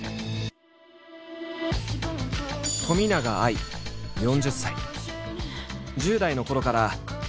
冨永愛４０歳。